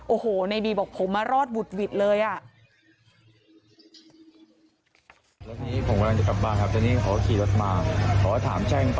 โอ้โหในบีบอกผมมารอดบุดหวิดเลยอ่ะ